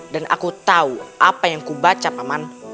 dan aku tahu apa yang kubaca paman